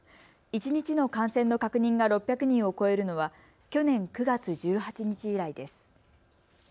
一日の感染の確認が６００人を超えるのは去年９月１８日以来です。